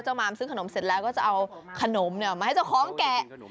มามซื้อขนมเสร็จแล้วก็จะเอาขนมมาให้เจ้าของแกะ